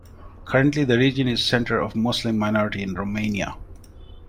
Currently the region is the centre of the Muslim minority in Romania.